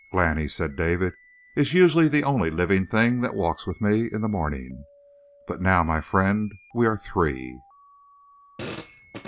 "Glani," said David, "is usually the only living thing that walks with me in the morning; but now, my friend, we are three."